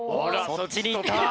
そっちにいった。